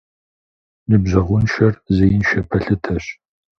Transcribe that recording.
Ныбжьэгъуншэр зеиншэ пэлъытэщ.